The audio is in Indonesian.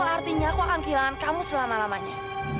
dan itu artinya aku akan kehilangan kamu selama lamanya